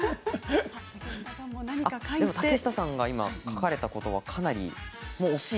でも竹下さんが今書かれたことば惜しい。